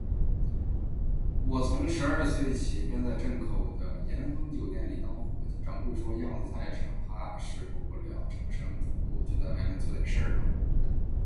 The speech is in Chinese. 我从十二岁起，便在镇口的咸亨酒店里当伙计，掌柜说，样子太傻，怕侍候不了长衫主顾，就在外面做点事罢。